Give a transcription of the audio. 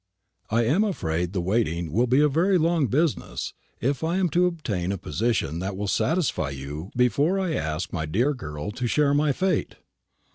I am afraid the waiting will be a very long business, if I am to obtain a position that will satisfy you before I ask my dear girl to share my fate."